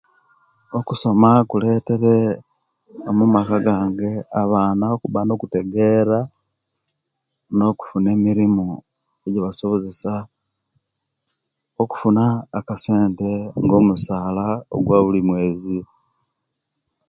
Okusoma kuletere omumaka gange abaana okuba nokutegera nokufuna emirimu ejibasobozesa okufuna akasente nga omusala ogwabuli mwezi